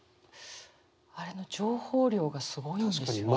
あれの情報量がすごいんですよ。